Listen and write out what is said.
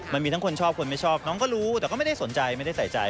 มันมีทั้งคนชอบคนไม่ชอบน้องก็รู้แต่ก็ไม่ได้สนใจไม่ได้ใส่ใจ